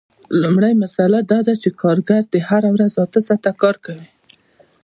لومړۍ مسئله دا ده چې کارګر هره ورځ اته ساعته کار کوي